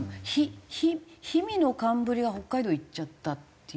氷見の寒ぶりが北海道いっちゃったっていう。